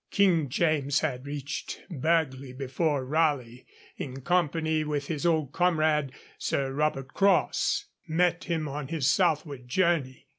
King James had reached Burghley before Raleigh, in company with his old comrade Sir Robert Crosse, met him on his southward journey.